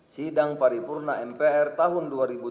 sidang paripurna mpr tahun dua ribu tujuh belas